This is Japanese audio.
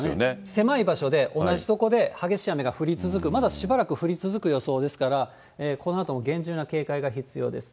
狭い場所で同じ所で激しい雨が降り続く、まだしばらく降り続く予想ですから、このあとも厳重な警戒が必要です。